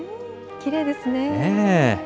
きれいですね。